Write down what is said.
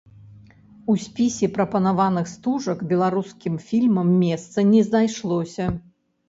У спісе прапанаваных стужак беларускім фільмам месца не знайшлося.